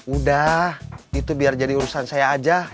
udah itu biar jadi urusan saya aja